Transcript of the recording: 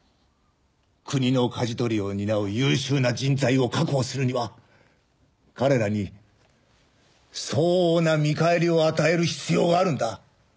国の舵取りを担う優秀な人材を確保するには彼らに相応な見返りを与える必要があるんだ。